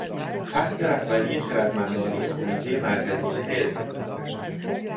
تحت رهبری خردمندانه کمیتهٔ مرکزی حزب